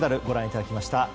ご覧いただきました